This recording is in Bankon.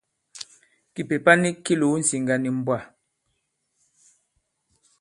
Kìpèpa nik ki lòo ǹsiŋgà nì mbwà.